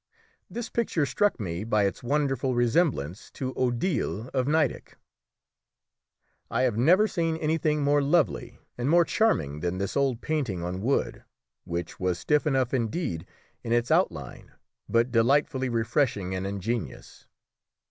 This picture struck me by its wonderful resemblance to Odile of Nideck. I have never seen anything more lovely and more charming than this old painting on wood, which was stiff enough indeed in its outline, but delightfully refreshing and ingenuous.